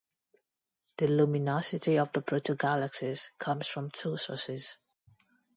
The luminosity of protogalaxies comes from two sources.